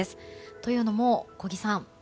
というのも、小木さん